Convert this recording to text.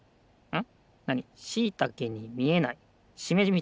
ん？